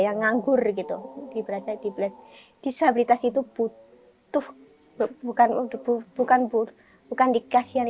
yang nganggur gitu diberatkan di belas disabilitas itu butuh bukan untuk bukan bukan dikasihkan